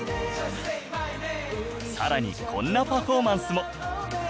さらにこんなパフォーマンスも